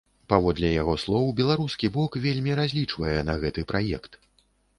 Паводле яго слоў, беларускі бок вельмі разлічвае на гэты праект.